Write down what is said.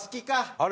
あれ？